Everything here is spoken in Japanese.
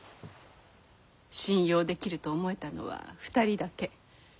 信用できると思えたのは２人だけ。